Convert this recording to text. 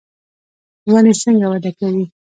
ونې څنګه وده کوي؟